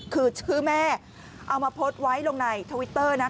คือชื่อแม่เอามาโพสต์ไว้ลงในทวิตเตอร์นะคะ